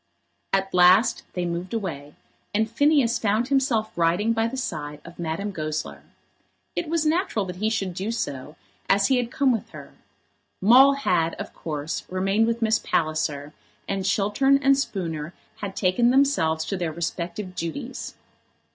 At last they moved away, and Phineas found himself riding by the side of Madame Goesler. It was natural that he should do so, as he had come with her. Maule had, of course, remained with Miss Palliser, and Chiltern and Spooner had taken themselves to their respective duties.